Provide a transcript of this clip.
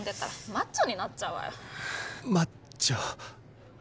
マッチョ。